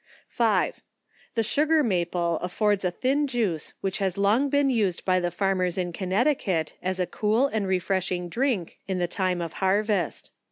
5. The Sugar Maple affords a thin juice which has long been used by the farmers in Connecticut as a cool, and refreshing drink in the time of harvest.